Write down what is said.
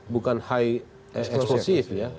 bukan high eksplosif ya